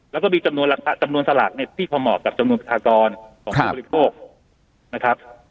และมีจำนวนสลาดนที่พอเหมาะกับจำนวนประชากรของภูมิปลูกโลก